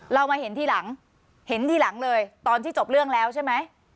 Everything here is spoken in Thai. เรามาเห็นทีหลังเห็นทีหลังเลยตอนที่จบเรื่องแล้วใช่ไหม